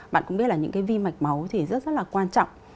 bạn cũng biết là những cái vi mạch máu thì rất rất là quan trọng